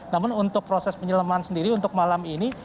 namun untuk proses penyeleman sendiri untuk malam ini